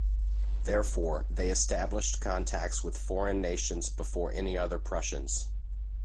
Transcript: Therefore, they established contacts with foreign nations before any other Prussians.